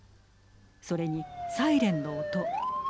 それにサイレンの音。